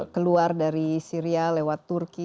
keluar dari syria lewat turki